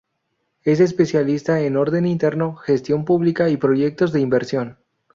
Es especialista en orden interno, gestión pública y proyectos de inversión.